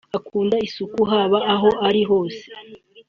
Akunda isuku haba aho ari hose